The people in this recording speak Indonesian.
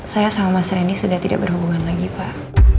saya sama mas reni sudah tidak berhubungan lagi pak